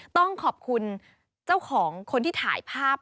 ต้องขอบคุณเจ้าของคนที่ถ่ายภาพ